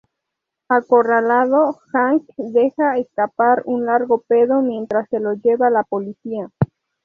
Acorralado, Hank deja escapar un largo pedo mientras se lo lleva la policía.